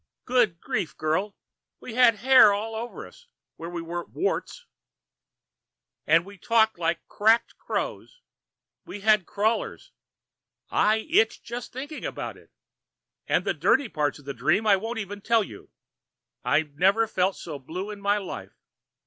Good grief, girl! We had hair all over us where we weren't warts. And we talked like cracked crows. We had crawlers. I itch just from thinking about it. And the dirty parts of the dream I won't even tell you. I've never felt so blue in my life.